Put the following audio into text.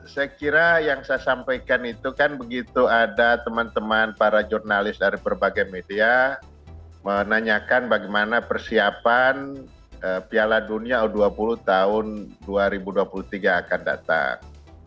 saya kira yang saya sampaikan itu kan begitu ada teman teman para jurnalis dari berbagai media menanyakan bagaimana persiapan piala dunia u dua puluh tahun dua ribu dua puluh tiga akan datang